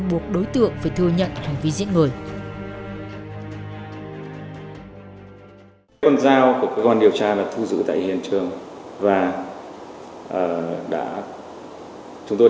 buộc đối tượng phải thừa nhận hành vi giết người